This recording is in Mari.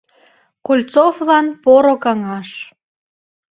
КОЛЬЦОВЛАН ПОРО КАҤАШ